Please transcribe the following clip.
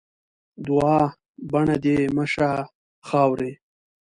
دوعا؛ بڼه دې مه شه خاوري.